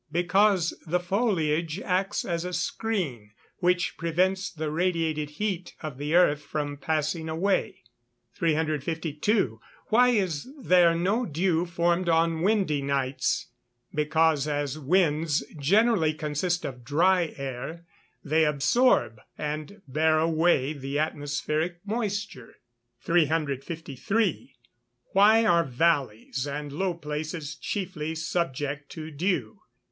_ Because the foliage acts as a screen, which prevents the radiated heat of the earth from passing away. 352. Why is there no dew formed on windy nights? Because, as winds generally consist of dry air, they absorb and bear away the atmospheric moisture. 353. _Why are valleys and low places chiefly subject to dew?